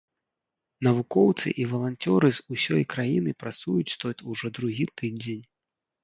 Навукоўцы і валанцёры з усёй краіны працуюць тут ужо другі тыдзень.